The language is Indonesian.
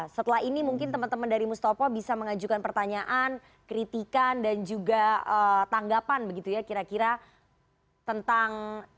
setelah ini mungkin teman teman dari mustopo bisa mengajukan pertanyaan kritikan dan juga tanggapan begitu ya kira kira tentang